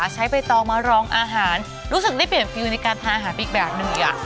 ใช้ใบตองมารองอาหารรู้สึกได้เปลี่ยนฟิลในการทานอาหารอีกแบบหนึ่ง